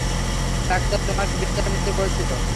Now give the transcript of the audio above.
Doctor তোমাকে বিশ্রাম নিতে বলেছিলো।